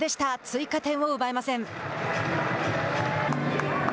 追加点を奪えません。